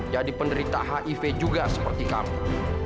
penderita hiv juga seperti kamu